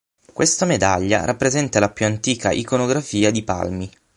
Questa medaglia rappresenta la più antica iconografia di Palmi.